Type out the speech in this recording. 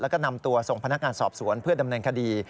แล้วก็นำตัวส่งพนักงานสอบสวนเพื่อดำเนินคดี